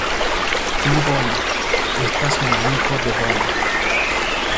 Pli bona — estas malamiko de bona.